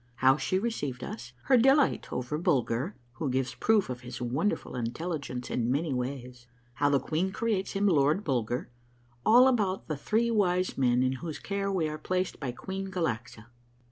— HOW SHE RECEIVED US. — HER DELIGHT OVER BULGER, WHO GIVES PROOF OF HIS WONDERFUL INTELLIGENCE IN IVIANY WAYS. — HOW THE QUEEN CREATES HIM LORD BULGER. — ALL ABOUT THE THREE WISE MEN IN WHOSE CARE WE ARE PLACED BY QUEEN GALAXA.